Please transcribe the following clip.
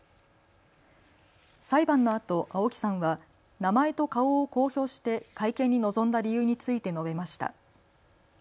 裁判のあと青木さんは名前と顔を公表して会見に臨んた理由について述べました。